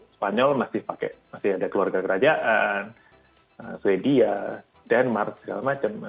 spanyol masih pakai masih ada keluarga kerajaan sweden denmark segala macam